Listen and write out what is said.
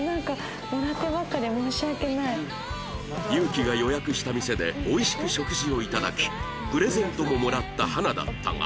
祐希が予約した店でおいしく食事をいただきプレゼントももらった花だったが